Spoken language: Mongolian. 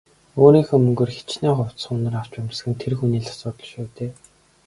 Өөрийнхөө мөнгөөр хэчнээн хувцас хунар авч өмсөх нь тэр хүний л асуудал шүү дээ.